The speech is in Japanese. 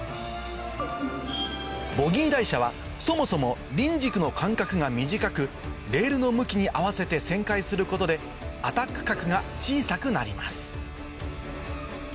ボギー台車はそもそも輪軸の間隔が短くレールの向きに合わせて旋回することでアタック角が小さくなります